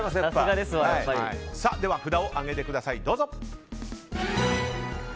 では札を上げてください。